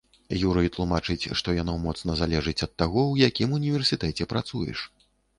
Юрый тлумачыць, што яно моцна залежыць ад таго, у якім універсітэце працуеш.